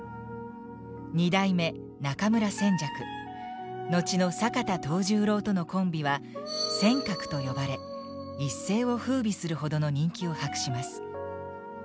二代目中村扇雀後の坂田藤十郎とのコンビは「扇鶴」と呼ばれ一世を風靡するほどの人気を博します。